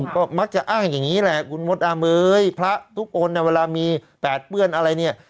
ก็มักจะอ้างอย่างนี้แหละคุณมดอาเมยพระทุกคนเวลามีแปดเปื้อนอะไรเนี่ย